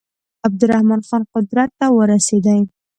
عبدالرحمن خان قدرت ته ورسېدی.